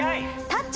「タッチ」